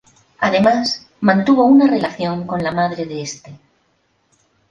Además, mantuvo una relación con la madre de este.